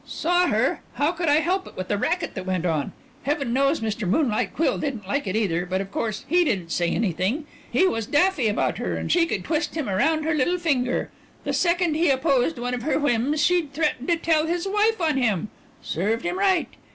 "Saw her! How could I help it with the racket that went on. Heaven knows Mr. Moonlight Quill didn't like it either but of course he didn't say anything. He was daffy about her and she could twist him around her little finger. The second he opposed one of her whims she'd threaten to tell his wife on him. Served him right.